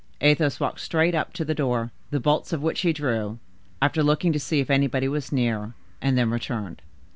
Athos walked straight up to the door, the bolts of which he drew, after looking to see if anybody was near, and then returned.